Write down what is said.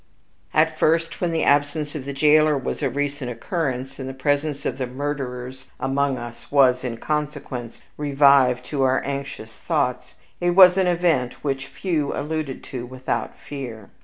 At first, when the absence of the jailer was a recent occurrence, and the presence of the murderers among us was, in consequence, revived to our anxious thoughts, it was an event which few alluded to without fear.